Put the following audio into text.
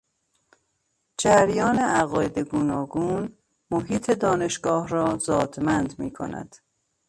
جریان عقاید گوناگون محیط دانشگاه را زادمند میکند.